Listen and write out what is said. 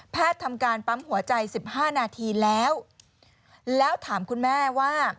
ทำการปั๊มหัวใจสิบห้านาทีแล้วแล้วถามคุณแม่ว่า